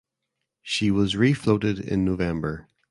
She was refloated in November.